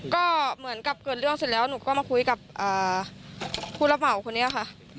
ก็เหมือนกับเกิดเรื่องเสร็จแล้วหนูก็มาคุยกับผู้รับเหมาคนนี้ค่ะ